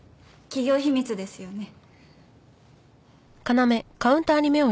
企業秘密ですよね。